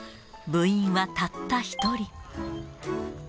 部員はたった１人。